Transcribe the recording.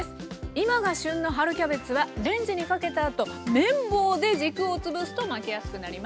今が旬の春キャベツはレンジにかけたあと麺棒で軸をつぶすと巻きやすくなります。